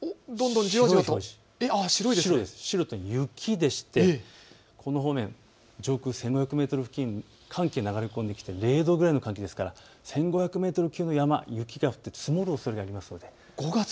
白い表示、雪でしてこの方面、上空１５００メートル付近寒気が流れ込んできて０度くらいの寒気ですから、１５００メートル級の山、雪が降って積もるおそれがあります。